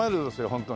ホントに。